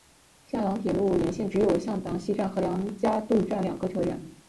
向梁铁路沿线只有向塘西站和梁家渡站两个车站。